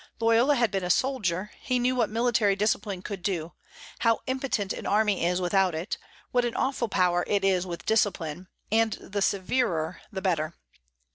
Loyola had been a soldier; he knew what military discipline could do, how impotent an army is without it, what an awful power it is with discipline, and the severer the better.